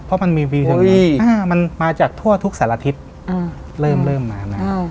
เพราะมันมีวีวิวแบบนี้อุ้ยอ้ามันมาจากทั่วทุกสารทิศอืมเริ่มเริ่มมา